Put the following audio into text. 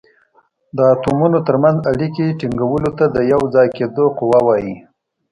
د اتومونو تر منځ اړیکې ټینګولو ته د یو ځای کیدو قوه وايي.